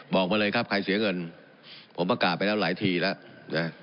บอกมาเลยครับใครเสียเงินผมประกาศไปแล้วหลายทีแล้วนะ